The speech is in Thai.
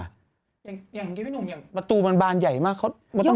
อย่างนี้พี่หนุ่มประตูมันบานใหญ่มากเขา